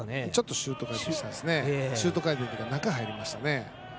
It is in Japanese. シュート回転というか中に入りましたね。